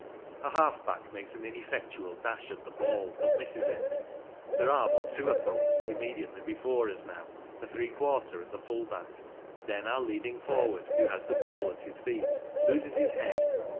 A half back makes an ineffectual dash at the ball, but misses it. There are but two opponents immediately before us now ‚ÄĒ a three quarter and the full back. Then our leading for ward, who has the ball at his feet, loses his head.